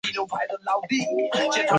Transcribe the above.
可升级成麟师。